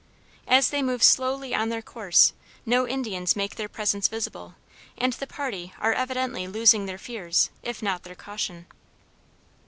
As they move slowly on their course no Indians make their presence visible and the party are evidently losing their fears if not their caution.